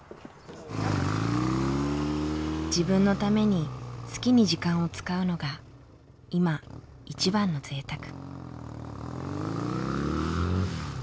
自分のために好きに時間を使うのが今一番のぜいたく。